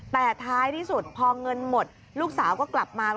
แต่ท้ายที่สุดพอเงินหมดลูกสาวก็กลับมา